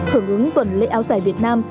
hưởng ứng tuần lễ áo giải việt nam